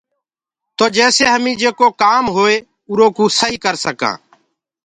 تو جيسي هميٚ جيڪو ڪآم هوئي اُرو ڪوٚ سهيٚ ڪر سڪانٚ۔